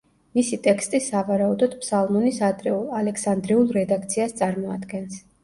მისი ტექსტი სავარაუდოდ ფსალმუნის ადრეულ, ალექსანდრიულ რედაქციას წარმოადგენს.